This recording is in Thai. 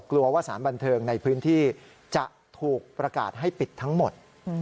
กลัวว่าสารบันเทิงในพื้นที่จะถูกประกาศให้ปิดทั้งหมด